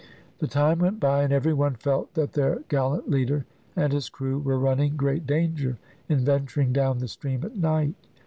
The time went by, and every one felt that their gallant leader and his crew were running great danger in venturing down the stream at night.